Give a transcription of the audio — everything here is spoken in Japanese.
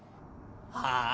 はあ！？